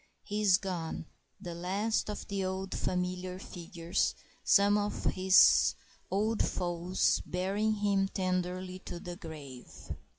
He is gone, the last of the old familiar figures, some of his old foes bearing him tenderly to the grave.